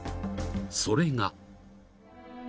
［それが］